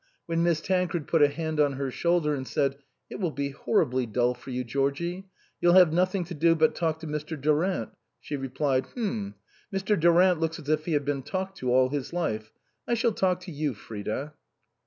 When Miss Tancred put a hand on her shoulder and said, " It will be horribly dull for you, Georgie ; you'll have nothing to do but talk to Mr. Du rant," she replied, " H'm ! Mr. Durant looks as if he had been talked to all his life. I shall talk to you, Frida."